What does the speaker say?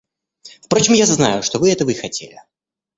Впрочем, я знаю, что вы этого и хотели.